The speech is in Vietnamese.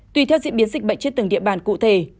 tùy theo diễn biến dịch bệnh trên từng địa bàn cụ thể